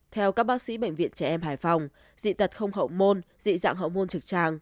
theo các bác sĩ bệnh viện trẻ em hải phòng dị tật không hậu môn dị dạng hậu môn trực tràng